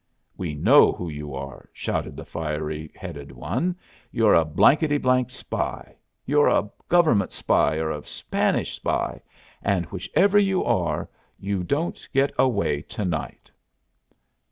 "We know who you are," shouted the fiery headed one. "You're a blanketty blank spy! You're a government spy or a Spanish spy, and whichever you are you don't get away to night!"